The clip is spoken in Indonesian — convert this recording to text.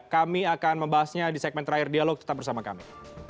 kami akan membahasnya di segmen terakhir dialog tetap bersama kami